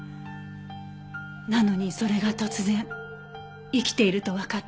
なのにそれが突然生きているとわかった。